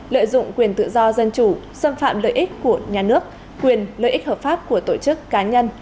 lợi dụng quyền tự do dân chủ xâm phạm lợi ích của nhà nước quyền lợi ích hợp pháp của tổ chức cá nhân